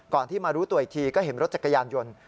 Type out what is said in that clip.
ที่มารู้ตัวอีกทีก็เห็นรถจักรยานยนต์